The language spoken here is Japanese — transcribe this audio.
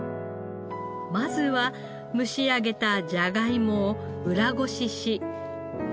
まずは蒸し上げたじゃがいもを裏ごしし。